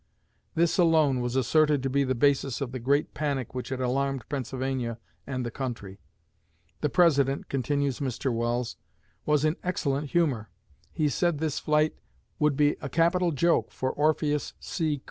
This alone was asserted to be the basis of the great panic which had alarmed Pennsylvania and the country. The President," continues Mr. Welles, "was in excellent humor. He said this flight would be a capital joke for Orpheus C.